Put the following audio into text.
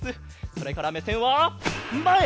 それからめせんはまえ！